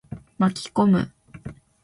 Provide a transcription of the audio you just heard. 巻き込む。